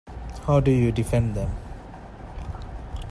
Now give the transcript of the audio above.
How do you defend them?